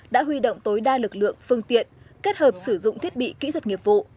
đã huy động tối đa lực lượng phương tiện kết hợp sử dụng thiết bị kỹ thuật nghiệp vụ